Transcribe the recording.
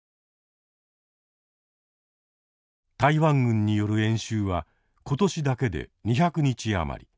台湾軍による演習は今年だけで２００日余り。